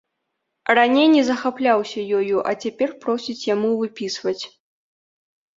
Раней не захапляўся ёю, а цяпер просіць яму выпісваць.